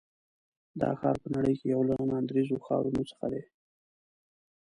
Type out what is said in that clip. دا ښار په نړۍ کې یو له ناندرییزو ښارونو څخه دی.